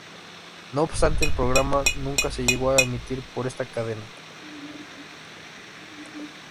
No obstante, el programa nunca se llegó a emitir por esta cadena.